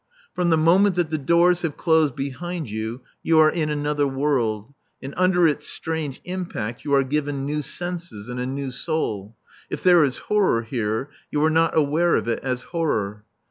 From the moment that the doors have closed behind you, you are in another world, and under its strange impact you are given new senses and a new soul. If there is horror here you are not aware of it as horror.